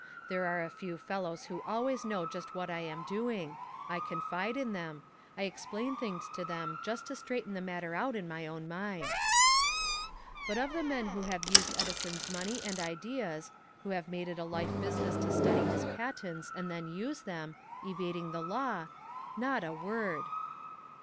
There are a few fellows who always know just what I am doing I confide in them I explain things to them just to straighten the matter out in my own mind." But of the men who have used Edison's money and ideas, who have made it a life business to study his patents and then use them, evading the law, not a word!